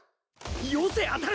よせあたる！